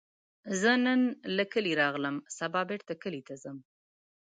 زه نن له کلي راغلم، سبا بیرته کلي ته ځم